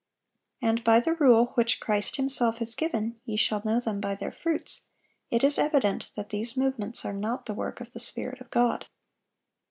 And by the rule which Christ Himself has given, "Ye shall know them by their fruits,"(778) it is evident that these movements are not the work of the Spirit of God.